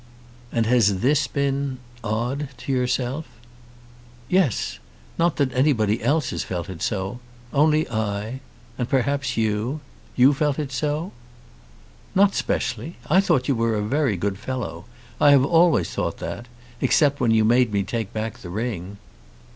"And has this been odd, to yourself?" "Yes. Not that anybody else has felt it so. Only I, and perhaps you. You felt it so?" "Not especially. I thought you were a very good fellow. I have always thought that; except when you made me take back the ring."